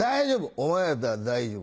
お前やったら大丈夫。